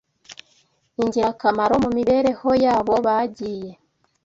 ingirakamaro mu mibereho yabo bagiye